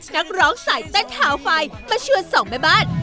นักร้องใส่เต้นเท้าไฟมาเชือนสองใบบ้าน